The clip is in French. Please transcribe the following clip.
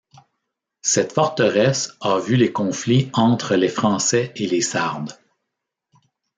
Cette forteresse a vu les conflits entre les Français et les Sardes.